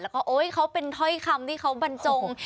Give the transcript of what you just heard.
แล้วก็โอ๊ยเขาเป็นถ้อยคำที่เขาบรรจง